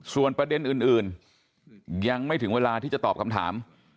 ส่วนประเด็นอื่นยังไม่ถึงเวลาที่จะตอบคำถาม